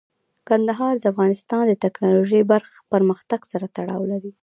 کندهار د افغانستان د تکنالوژۍ پرمختګ سره تړاو لري.